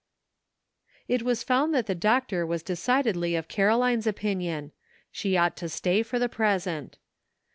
It was found that the doctor was decidedly of Caroline's opinion ; she ought to stay for the present.